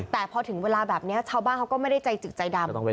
แต่พอถึงเวลาแบบนี้ชาวบ้านเขาก็ไม่ได้ใจจึกใจดำ